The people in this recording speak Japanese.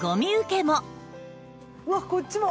うわっこっちも！